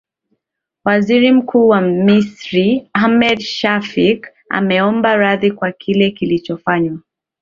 waziri mkuu wa misri ahmed shafik ameomba radhi kwa kile kilichofanywa